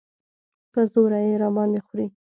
په زوره یې راباندې خورې.